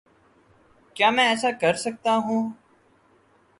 کیا میں ایسا کر سکتا ہوں؟